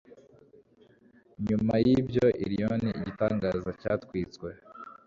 Nyuma yibyo Ilion igitangaza cyatwitswe